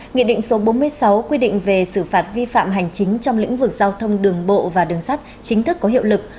nghị định số bốn mươi sáu quy định về xử phạt vi phạm hành chính trong lĩnh vực giao thông đường bộ và đường sắt chính thức có hiệu lực